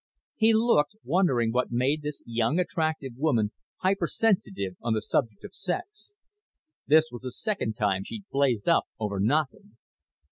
He looked, wondering what made this young attractive woman hypersensitive on the subject of sex. This was the second time she'd blazed up over nothing.